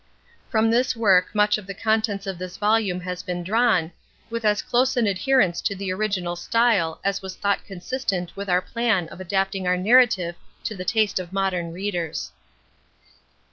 From this work much of the contents of this volume has been drawn, with as close an adherence to the original style as was thought consistent with our plan of adapting our narrative to the taste of modern readers.